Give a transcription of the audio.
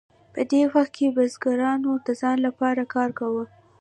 په دې وخت کې بزګرانو د ځان لپاره کار کاوه.